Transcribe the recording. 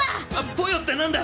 ポヨってなんだ？